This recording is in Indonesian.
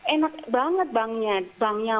enak banget banknya banknya